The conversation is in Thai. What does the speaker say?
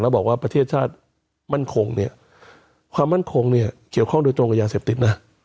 แล้วบอกว่าประเทศชาติมั่นคงเนี่ยความมั่นคงเนี่ยเกี่ยวข้องโดยตรงกับยาเสพติดนะ